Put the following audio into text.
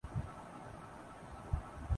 ان کے ٹائروں میں ہوا بھری گئی تھی۔